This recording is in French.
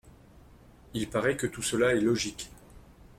Il paraît que tout cela est logique.